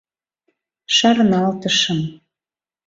— Шарналтышым...